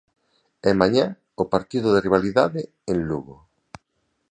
E mañá, o partido de rivalidade en Lugo.